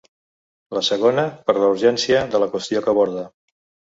La segona, per la urgència de la qüestió que aborda.